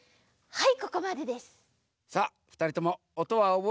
はい！